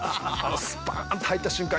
スパーンと入った瞬間